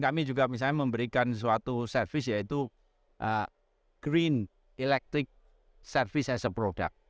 kami juga misalnya memberikan suatu service yaitu green electric service as a product